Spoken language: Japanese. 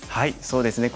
そうですね